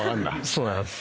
そうなんです。